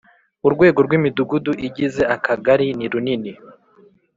Urwego rw ‘Imidugudu igize Akagari nirunini.